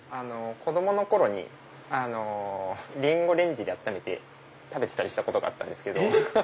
子供の頃にリンゴをレンジで温めて食べてたことがあったんです。